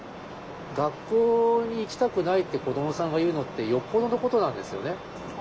学校に行きたくないって子どもさんが言うのってよっぽどのことなんですよね。